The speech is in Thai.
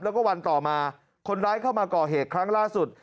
แล้วก็วันต่อมาคนร้ายเข้ามาก่อเหตุครั้งล่าสุด